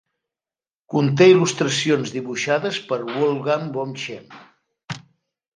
Conté il·lustracions dibuixades per WolfGang vom Schemm.